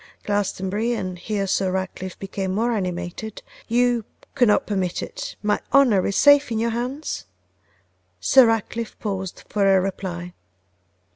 Glastonbury,' and here Sir Ratcliffe became more animated, 'you could not permit it, my honour is safe in your hands?' Sir Ratcliffe paused for a reply.